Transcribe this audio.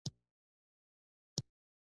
په دې توګه کارګران په لومه کې ګیر شوي وو.